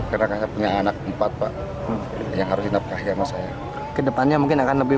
karena saya punya anak empat pak yang harus hinap kaya masanya kedepannya mungkin akan lebih